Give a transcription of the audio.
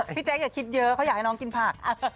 พี่แจ๊คอย่าคิดเยอะเขาอยากให้น้องกินผัก